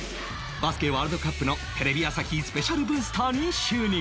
バスケワールドカップのテレビ朝日スペシャルブースターに就任